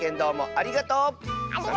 ありがとう！